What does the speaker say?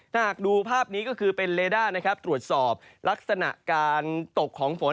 ถ้าหากดูภาพนี้ก็คือเป็นเลด้านะครับตรวจสอบลักษณะการตกของฝน